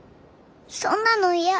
そんなの嫌。